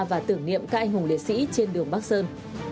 và tưởng niệm các anh hùng liệt sĩ trên đường bắc sơn